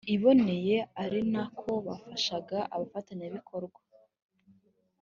iboneye ari nako bafasha abafatanyabikorwa